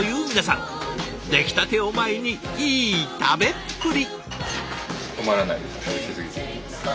出来たてを前にいい食べっぷり！